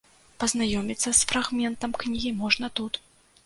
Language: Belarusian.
Пазнаёміцца з фрагментам кнігі можна тут.